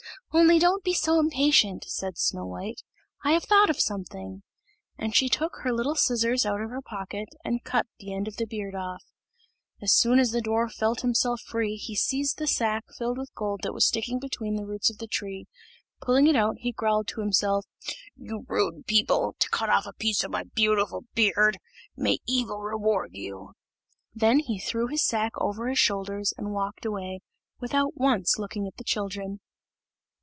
"Only don't be impatient," said Snow white, "I have thought of something;" and she took her little scissors out of her pocket, and cut the end of the beard off. As soon as the dwarf felt himself free, he seized a sack filled with gold that was sticking between the roots of the tree; pulling it out, he growled to himself, "You rude people, to cut off a piece of my beautiful beard! May evil reward you!" Then he threw his sack over his shoulders and walked away, without once looking at the children.